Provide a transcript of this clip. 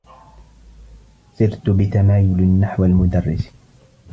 سرت بتمايل نحو المدرّس.